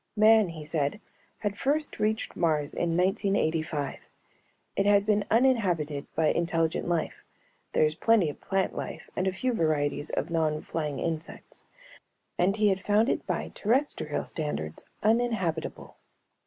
Man, he said, had first reached Mars in 1985. It had been uninhabited by intelligent life (there is plenty of plant life and a few varieties of non flying insects) and he had found it by terrestrial standards uninhabitable.